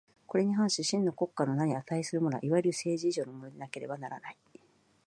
これに反し真の国家の名に価するものは、いわゆる政治以上のものでなければならない。